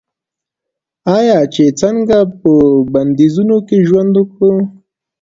آیا چې څنګه په بندیزونو کې ژوند وکړو؟